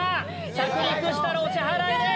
着陸したらお支払いです。